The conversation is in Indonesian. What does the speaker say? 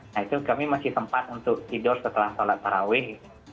nah itu kami masih sempat untuk tidur setelah sholat taraweh